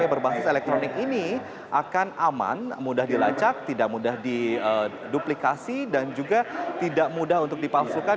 berbasis elektronik ini akan aman mudah dilacak tidak mudah diduplikasi dan juga tidak mudah untuk dipalsukan